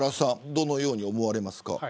どのように思われますか。